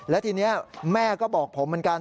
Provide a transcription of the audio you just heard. และทีนี้แม่ก็บอกผมเหมือนกัน